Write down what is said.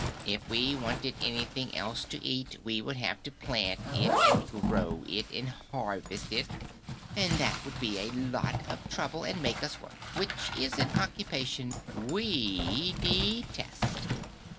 If we wanted anything else to eat, we would have to plant it, and grow it, and harvest it, and that would be a lot of trouble and make us work, which is an occupation we detest."